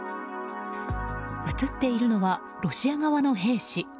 映っているのはロシア側の兵士。